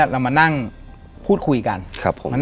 แต่ขอให้เรียนจบปริญญาตรีก่อน